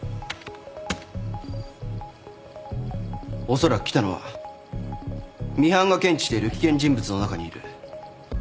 おそらく喜多野はミハンが検知している危険人物の中にいる。